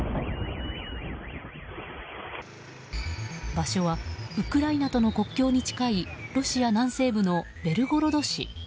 場所はウクライナとの国境に近いロシア南西部のベルゴロド市。